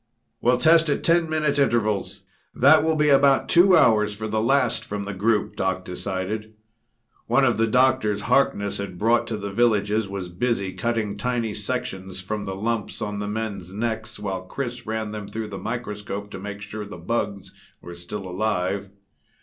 "We'll test at ten minute intervals. That will be about two hours for the last from the group," Doc decided. One of the doctors Harkness had brought to the villages was busy cutting tiny sections from the lumps on the men's necks, while Chris ran them through the microscope to make sure the bugs were still alive.